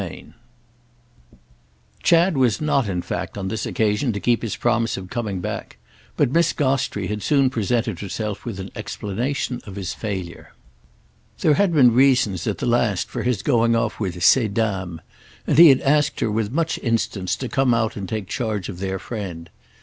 III Chad was not in fact on this occasion to keep his promise of coming back; but Miss Gostrey had soon presented herself with an explanation of his failure. There had been reasons at the last for his going off with ces dames; and he had asked her with much instance to come out and take charge of their friend.